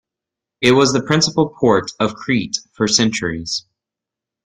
It was the principal port of Crete for centuries.